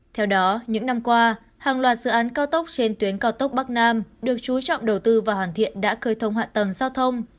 theo đó những năm qua hàng loạt dự án cao tốc trên tuyến cao tốc bắc nam được chú trọng đầu tư và hoàn thiện đã cơi thông hạ tầng giao thông